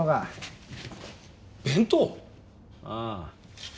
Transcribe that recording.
ああ。